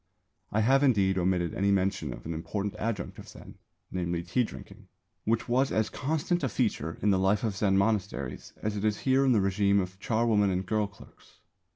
I have, indeed, omitted any mention of an important adjunct of Zen, namely tea drinking, which was as constant a feature in the life of Zen monasteries as it is here in the régime of charwomen and girl clerks.